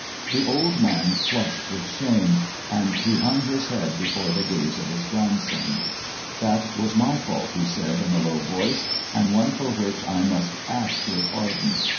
The old man flushed with shame, and he hung his head before the gaze of his grandson. "That was my fault," he said, in a low voice, " and one for which I must ask your pardon.